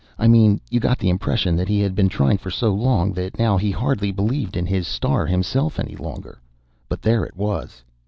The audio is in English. I mean, you got the impression that he had been trying for so long that now he hardly believed in his star himself any longer. But there it was.